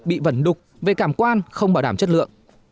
bị vẩn đục về cảm quan không bảo đảm chất lượng